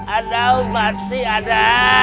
ada masih ada